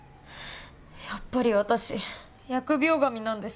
やっぱり私疫病神なんです。